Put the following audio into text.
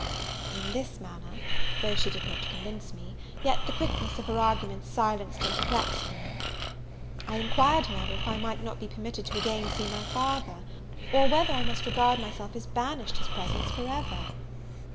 In this manner, though she did not convince me, yet the quickness of her arguments silenced and perplexed me. I enquired, however, if I might not be permitted to again see my father, or whether I must regard myself as banished his presence for ever?